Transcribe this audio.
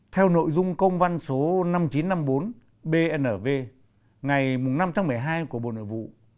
theo nội dung công văn số năm nghìn chín trăm năm mươi bốn bnv ngày năm tháng một mươi hai của bộ nội vụ